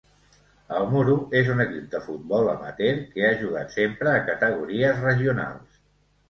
El Muro és un equip de futbol amateur que ha jugat sempre a categories regionals.